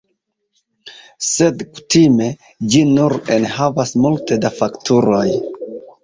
Sed kutime, ĝi nur enhavas multe da fakturoj.